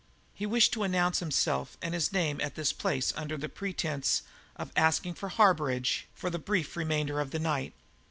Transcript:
He wished to announce himself and his name at this place under the pretence of asking harbourage for the brief remainder of the night.